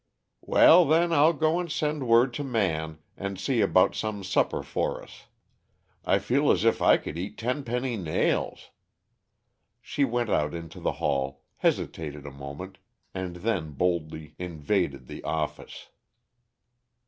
"Well, then, I'll go and send word to Man, and see about some supper for us. I feel as if I could eat ten penny nails!" She went out into the hall, hesitated a moment, and then boldly invaded the "office."